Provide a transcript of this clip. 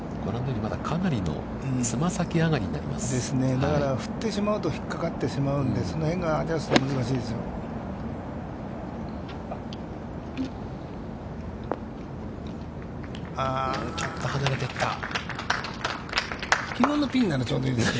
だから、振ってしまうと、ひっかかってしまうので、そこら辺がアジャストは難しいですよ。